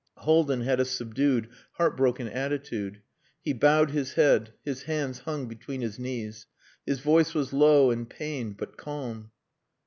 Haldin had a subdued, heartbroken attitude. He bowed his head; his hands hung between his knees. His voice was low and pained but calm.